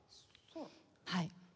はい。